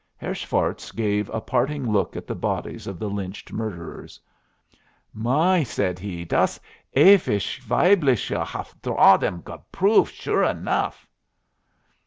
Herr Schwartz gave a parting look at the bodies of the lynched murderers. "My!" said he, "das Ewigweibliche haf draw them apove sure enough."